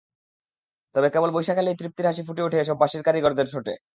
তবে কেবল বৈশাখ এলেই তৃপ্তির হাসি ফুটে ওঠে এসব বাঁশির কারিগরদের ঠোঁটে।